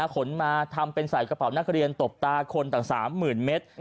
ขนมาทำเป็นใส่กระเป๋านักเรียนตบตาคนต่าง๓๐๐๐เมตร